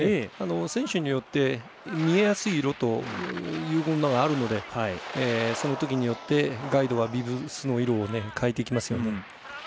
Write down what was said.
選手によって見えやすい色というのがあるのでそのときによってガイドはビブスの色を変えてきますよね。